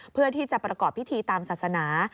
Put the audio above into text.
เพื่อที่จะประกอบพิธีตามศาสนา